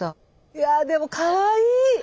いやぁでもかわいい！